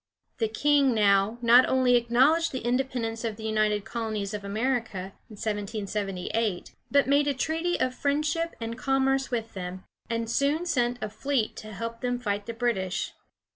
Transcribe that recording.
The king now not only acknowledged the independence of the United Colonies of America (1778), but made a treaty of friendship and commerce with them, and soon sent a fleet to help them fight the British.